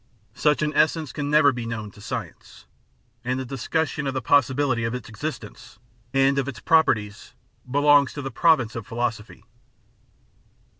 Such an essence can never be known to science, and the discussion of the possibility of its existence and of its properties belongs to the province of philosophy.